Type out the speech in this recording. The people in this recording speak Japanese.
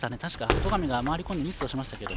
戸上が回り込んでミスをしましたけど。